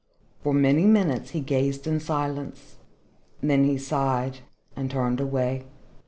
For many minutes he gazed in silence. Then he sighed and turned away.